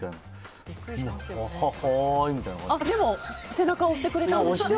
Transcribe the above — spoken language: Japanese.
でも背中を押してくれて。